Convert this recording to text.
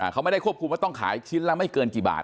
เขาไม่ได้ควบคุมว่าต้องขายชิ้นละไม่เกินกี่บาท